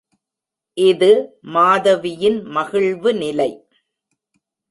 இது மாதவியின் மகிழ்வு நிலை.